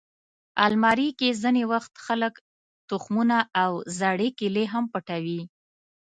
الماري کې ځینې وخت خلک تخمونه او زړې کیلې هم پټوي